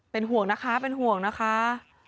เป็นห่วงนะคะเป็นห่วงนะคะ